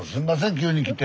急に来て。